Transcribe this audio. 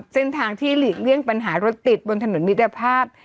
เส้นทางที่หลีกเลี่ยงปัญหารถติดบนถนนมิตรภาพ